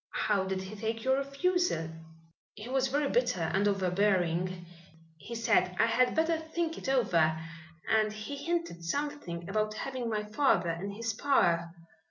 "How did he take your refusal?" "He was very bitter and overbearing. He said I had better think it over, and he hinted something about having my father in his power.